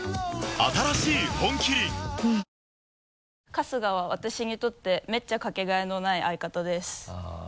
「春日は私にとってめっちゃかけがえのない相方です。」